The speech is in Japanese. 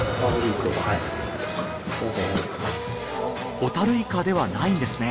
ホタルイカではないんですね。